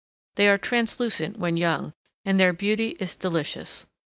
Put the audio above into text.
They are translucent when young, and their beauty is delicious.